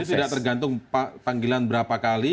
jadi tidak tergantung panggilan berapa kali